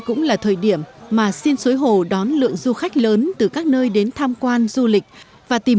cũng là thời điểm mà xin suối hồ đón lượng du khách lớn từ các nơi đến tham quan du lịch và tìm